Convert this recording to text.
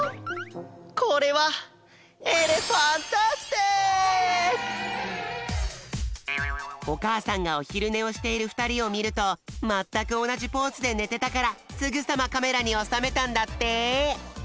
これはおかあさんがおひるねをしているふたりをみるとまったくおなじポーズでねてたからすぐさまカメラにおさめたんだって。